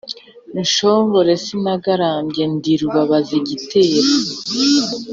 inshongore sinagarambye ndi rubabazigitero